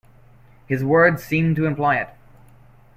His words seemed to imply it.